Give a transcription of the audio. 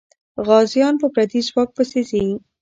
غازيان په پردي ځواک پسې ځي.